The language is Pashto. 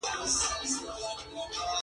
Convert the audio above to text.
د پیتالوژي علم د ناروغیو تاریخ ساتي.